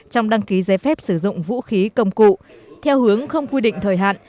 trong đăng ký giấy phép sử dụng vũ khí công cụ theo hướng không quy định thời hạn